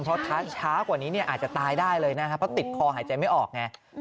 พอช้ากว่านี้เนี่ยอาจจะตายได้เลยนะครับเพราะติดคอหายใจไม่ออกไง